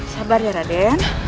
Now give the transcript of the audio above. sabar ya raden